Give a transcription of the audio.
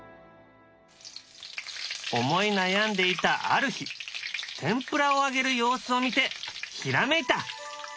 思い悩んでいたある日天ぷらを揚げる様子を見てひらめいた。